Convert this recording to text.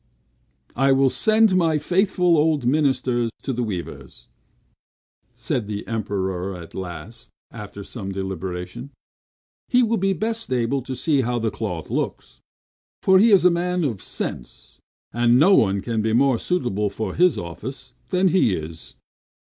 "I will send my faithful old minister to the weavers," said the Emperor at last, after some deliberation, "he will be best able to see how the cloth looks; for he is a man of sense, and no one can be more suitable for his office than he is."